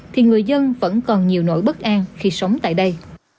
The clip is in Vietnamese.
thì người dân vẫn còn nhiều nỗi bất an khi sống tại đây